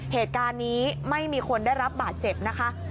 เหตุการณ์นี้ไม่มีคนได้รับบาดเจ็บนะคะ